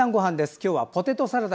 今日はポテトサラダ。